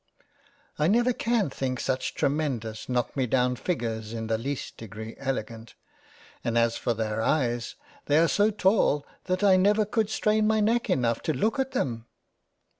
" I never can think such tremendous, knock me down figures in the least degree elegant, and as for their eyes, they are so tall that I never could strain my neck enough to look at them."